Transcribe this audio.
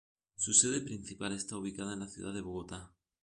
Su sede principal está ubicada en la ciudad de Bogotá.